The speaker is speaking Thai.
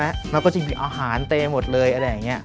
แล้วก็จริงอาหารเตหมดเลยอะไรอย่างนี้